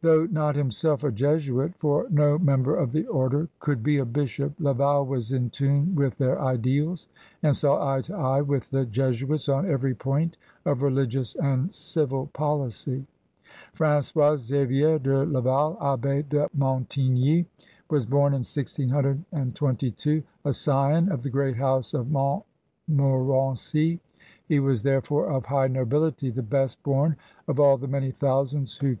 Though not himself a Jesuit, for no member of the Order could be a bishop, Laval was in tune with their ideals and saw eye to eye with the Jesuits on every point of religious and civil policy. Frangois Xavier de Laval, Abb6 de Montigny, was bom in 1622, a scion of the great house of Montmorency. He was therefore of high nobility, the best bom of all the many thousands who came * J ■ i *^